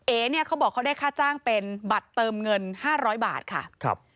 เนี่ยเขาบอกเขาได้ค่าจ้างเป็นบัตรเติมเงิน๕๐๐บาทค่ะ